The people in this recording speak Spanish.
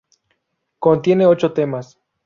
Contiene ocho temas.